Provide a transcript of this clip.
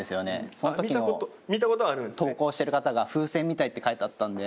その時の投稿している方が「風船みたい」って書いてあったので。